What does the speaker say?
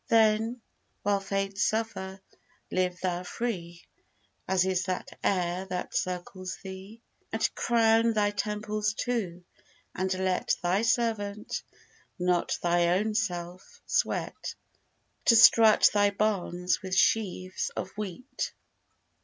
Then, while fates suffer, live thou free, As is that air that circles thee; And crown thy temples too; and let Thy servant, not thy own self, sweat, To strut thy barns with sheaves of wheat.